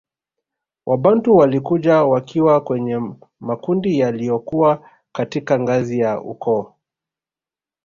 Wabantu walikuja wakiwa kwenye makundi yaliyokuwa katika ngazi ya ukoo